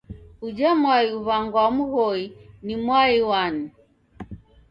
Uja mwai uw'angwaa Mghoi ni mwai wani?